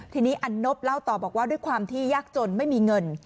ทีนี้อันนบเล่าต่อบอกว่าด้วยความที่ยากจนไม่มีเงิน